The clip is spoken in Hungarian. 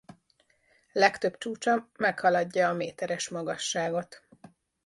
Legtöbb csúcsa meghaladja a méteres magasságot.